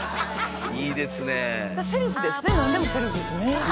いいですねえ